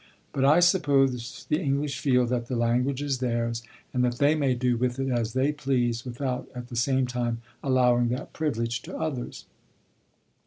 But I suppose the English feel that the language is theirs, and that they may do with it as they please without at the same time allowing that privilege to others.